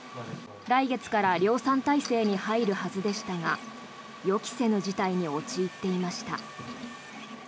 来月から量産体制に入るはずでしたが予期せぬ事態に陥っていました。